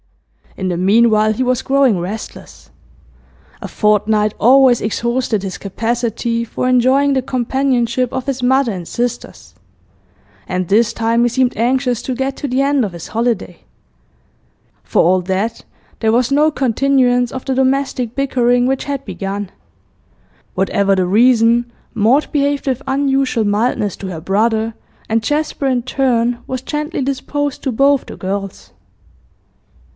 In the meanwhile he was growing restless. A fortnight always exhausted his capacity for enjoying the companionship of his mother and sisters, and this time he seemed anxious to get to the end of his holiday. For all that, there was no continuance of the domestic bickering which had begun. Whatever the reason, Maud behaved with unusual mildness to her brother, and Jasper in turn was gently disposed to both the girls.